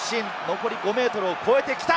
残り５ｍを越えてきた。